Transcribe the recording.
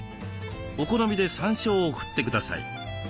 お好みでさんしょうを振ってください。